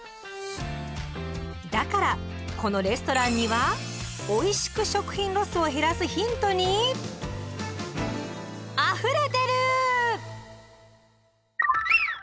だからこのレストランにはおいしく食品ロスを減らすヒントにあふれてる！